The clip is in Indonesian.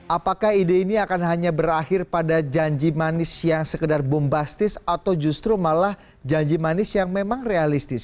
apakah ide ini akan hanya berakhir pada janji manis yang sekedar bombastis atau justru malah janji manis yang memang realistis